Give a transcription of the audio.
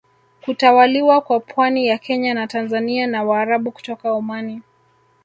Kutawaliwa kwa pwani ya Kenya na Tanzania na Waarabu kutoka Omani